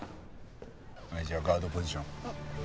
じゃあガードポジション。